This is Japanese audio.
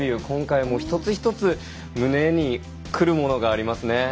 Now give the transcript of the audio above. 今回も一つ一つ胸にくるものがありますね。